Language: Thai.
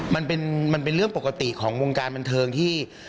มันเป็นเรื่องปกติของวงการบันเทิงที่